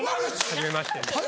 「はじめまして」